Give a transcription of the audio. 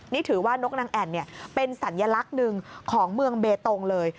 นี่ถือว่านกนางแอ่นเป็นสัญลักษณ์หนึ่งของเมืองเบตงเลย